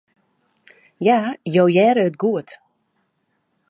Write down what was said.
Ja, jo hearre it goed.